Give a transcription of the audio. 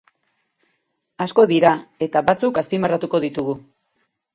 Asko dira eta batzuk azpimarratuko ditugu.